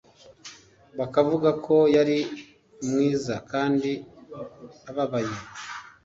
bakavuga ko yari mwiza kandi ababaye